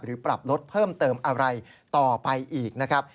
ปรับลดเพิ่มเติมอะไรต่อไปอีกนะครับ